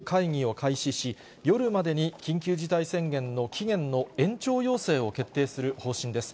沖縄県は先ほど、拡大幹部会議を開始し、夜までに緊急事態宣言の期限の延長要請を決定する方針です。